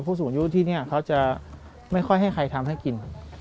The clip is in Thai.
ผู้สูงอายุที่นี่เขาจะไม่ค่อยให้ใครทำให้กิน